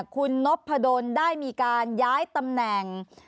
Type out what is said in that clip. คุณนพดลได้มีการย้ายตำแหน่ง